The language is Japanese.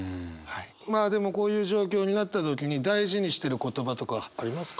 まあでもこういう状況になった時に大事にしてる言葉とかありますか？